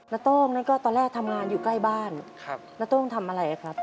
โต้งนั่นก็ตอนแรกทำงานอยู่ใกล้บ้านนาโต้งทำอะไรครับ